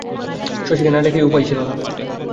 শশীকে না ডাকিয়া উপায় ছিল না।